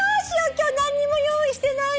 今日何にも用意してないの。